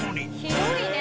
広いね。